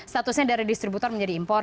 statusnya dari distributor menjadi impor